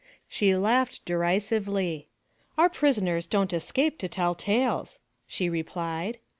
She laughed derisively. " Our prisoners do n't escape to tell tales," she replied.